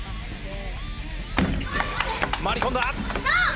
回り込んだ。